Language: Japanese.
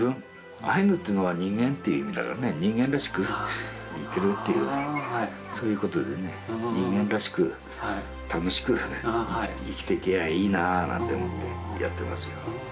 アイヌっていうのは「人間」っていう意味だからね人間らしく生きるっていうそういうことでね人間らしく楽しく生きていけりゃいいなあなんて思ってやってますよ。